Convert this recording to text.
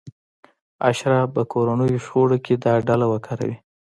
اشراف به کورنیو شخړو کې دا ډله وکاروي.